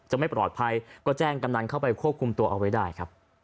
ไม่ปลอดภัยก็แจ้งกำนันเข้าไปควบคุมตัวเอาไว้ได้ครับ